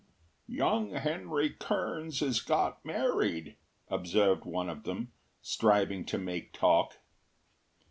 “Young Henry Kerns has got married,” observed one of them, striving to make talk.